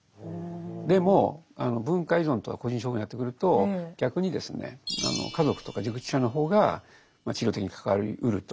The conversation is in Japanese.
でも文化依存とか個人症候群になってくると逆にですね家族とか熟知者の方が治療的に関わりうると。